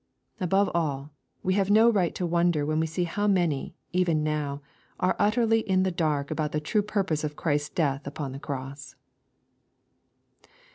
Above all, we have no right to wonder when we see how many, even now, are utterly in the dark about the true puipose of Christ's death upon the cross.